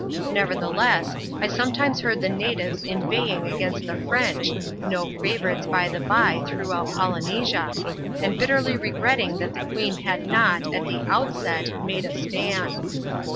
NeTertlieles8y I sometimes heard the natives inveighing against the Frendi (no favourites, by the by, throughout Polynesia), snd bitterly r^retting tha;t the queen had not, at the outset, made a stand.